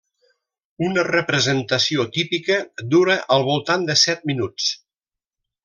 Una representació típica dura al voltant de set minuts.